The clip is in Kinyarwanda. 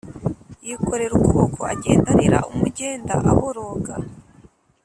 yikorera ukuboko, agenda arira umugenda aboroga.